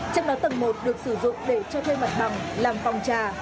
trong đó tầng một được sử dụng để cho thuê mặt bằng làm phòng trà